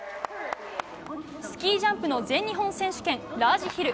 スキージャンプの全日本選手権、ラージヒル。